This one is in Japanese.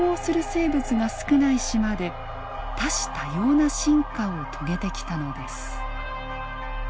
生物が少ない島で多種多様な進化を遂げてきたのです。